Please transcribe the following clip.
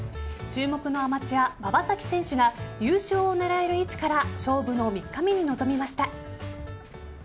注目のアマチュア馬場咲希選手が優勝を狙える位置から勝負の３日目に臨みました。